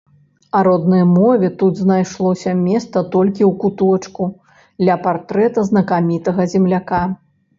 А роднай мове тут знайшлося месца толькі ў куточку ля партрэта знакамітага земляка.